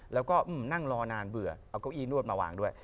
แล้วก็นั่งรอนานเบื่อเอาเก้าอี้นวดมาวางด้วย